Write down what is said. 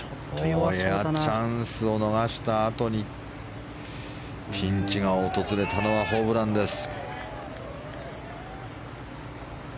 これはチャンスを逃したあとにピンチが訪れたのはホブランです。